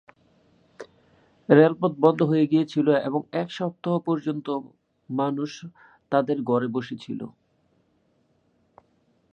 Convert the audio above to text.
রেলপথ বন্ধ হয়ে গিয়েছিল এবং এক সপ্তাহ পর্যন্ত মানুষ তাদের ঘরে বসে ছিল।